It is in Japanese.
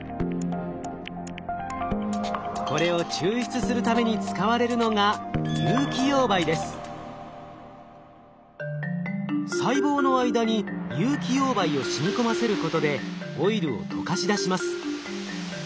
これを抽出するために使われるのが細胞の間に有機溶媒をしみ込ませることでオイルを溶かし出します。